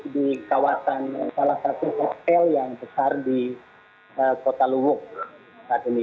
di kawasan salah satu hotel yang besar di kota luwuk saat ini